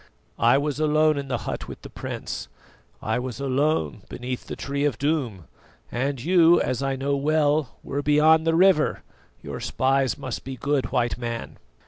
I was alone in the hut with the prince, I was alone beneath the Tree of Doom, and you, as I know well, were beyond the river. Your spies must be good, White Man."